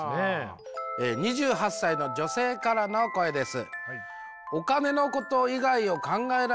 ２８歳の女性からの声です。